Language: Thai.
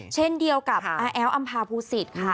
เช่นเดียวกับอแอลอัมภาภูสิตค่ะ